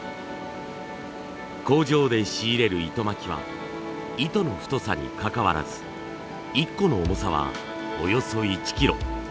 工場で仕入れる糸巻きは糸の太さにかかわらず一個の重さはおよそ１キロ。